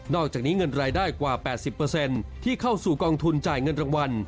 อกจากนี้เงินรายได้กว่า๘๐ที่เข้าสู่กองทุนจ่ายเงินรางวัล